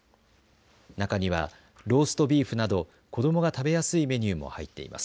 中にはローストビーフなど子どもが食べやすいメニューも入っています。